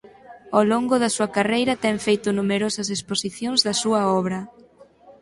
O longo da súa carreira ten feito numerosas exposicións da súa obra.